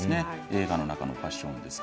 映画の中のファッションです。